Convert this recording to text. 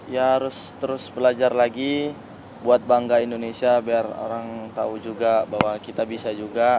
ya harus terus belajar lagi buat bangga indonesia biar orang tahu juga bahwa kita bisa juga